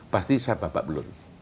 pasti saya bapak belum